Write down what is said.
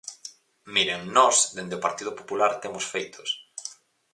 Miren, nós, dende o Partido Popular, temos feitos.